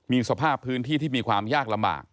มีสภาพพื้นที่ที่มีความยากลำบาก